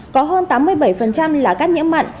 có hơn tám mươi bảy là các nhiễm mặn